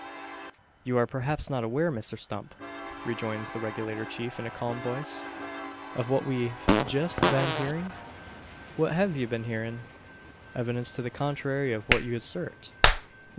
"You are perhaps not aware, Mr Stump," rejoins the Regulator Chief, in a calm voice, "of what we've just been hearing?" "What hev ye been hearin'?" "Evidence to the contrary of what you assert.